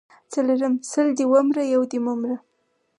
څلرم:سل دي ومره یو دي مه مره